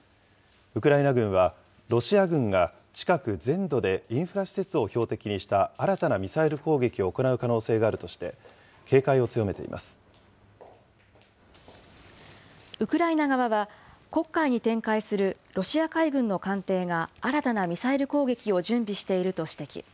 ウクライナ軍はロシア軍が近く全土で、インフラ施設を標的にした新たなミサイル攻撃を行う可能性があるウクライナ側は、黒海に展開するロシア海軍の艦艇が新たなミサイル攻撃を準備していると指摘。